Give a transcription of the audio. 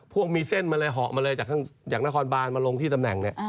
พวกมีเส้นมาเลยเหาะมาเลยจากนครบานมาลงที่ตำแหน่งเนี่ย